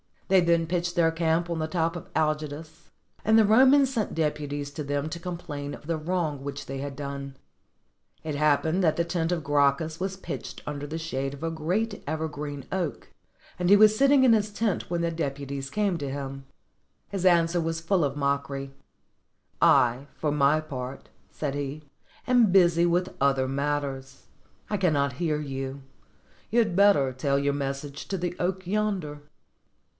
They then pitched their camp on the top of Algidus; and the Romans sent deputies to them to complain of the wrong which they had done. It happened that the tent of Gracchus was pitched under the shade of a great ever green oak, and he was sitting in his tent when the depu ties came to him. His answer was full of mockery: "I, for my part," said he, "am busy with other matters: I cannot hear you ; you had better tell your message to the oak yonder."